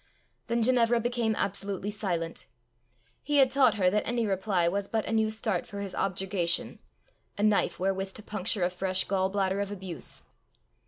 Then Ginevra became absolutely silent; he had taught her that any reply was but a new start for his objurgation, a knife wherewith to puncture a fresh gall bladder of abuse.